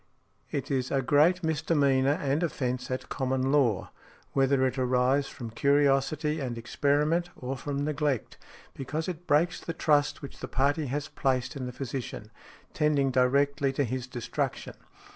It is a great misdemeanor and offence at common law, whether it arise from curiosity and experiment, or from neglect; because it breaks the trust which the party has placed in the physician, tending directly to his destruction .